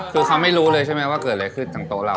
คือเขาไม่รู้เลยใช่ไหมว่าเกิดอะไรขึ้นทางโต๊ะเรา